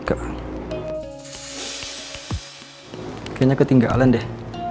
kayaknya ketinggalan deh